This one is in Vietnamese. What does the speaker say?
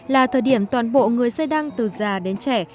là thời điểm toàn bộ người xe đăng từ già đến trẻ